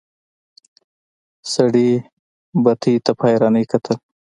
سړي بتۍ ته په حيرانی کتل.